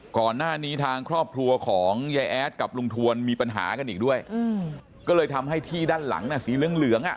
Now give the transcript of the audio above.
ก่อนหน้านี้ทางครอบครัวของยายแอดกับลุงทวนมีปัญหากันอีกด้วยก็เลยทำให้ที่ด้านหลังน่ะสีเหลืองเหลืองอ่ะ